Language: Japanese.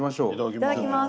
いただきます。